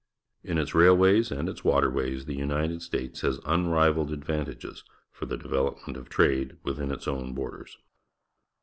In its railways and its waters ays the United States has unrivalled ad^•antages for the develop ment of trade within its own borders.